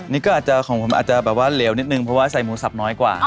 นี่จากของผมอาจจะเหลวนิดหนึ่งเพราะใส่หมูซับน้อยกว่า